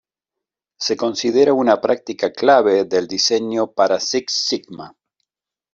Se considera una práctica clave del diseño para Six Sigma.